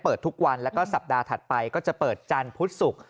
ทุกวันแล้วก็สัปดาห์ถัดไปก็จะเปิดจันทร์พุธศุกร์